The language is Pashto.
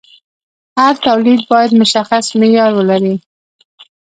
هر تولید باید مشخص معیار ولري.